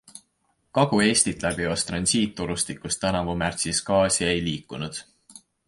Kagu-Eestit läbivas transiittorustikus tänavu märtsis gaasi ei liikunud.